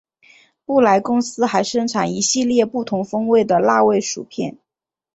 布莱公司还生产一系列不同风味的辣味薯片。